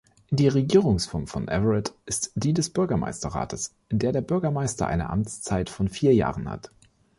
Die Regierungsform von Everett ist die des Bürgermeisterrates, in der der Bürgermeister eine Amtszeit von vier Jahren hat.